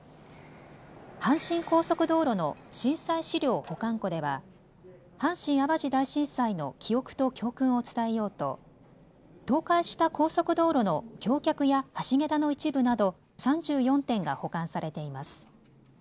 阪神高速道路の震災資料保管庫では阪神・淡路大震災の記憶と教訓を伝えようと倒壊した高速道路の橋脚や橋桁の一部など３４点が保管されています。